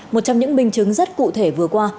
một trong những minh chứng rất cụ thể vừa qua